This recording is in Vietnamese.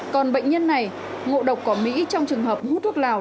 còn bệnh nhân này ngộ độc cỏ mỹ trong trường hợp hút thuốc lào